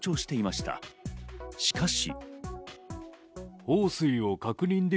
しかし。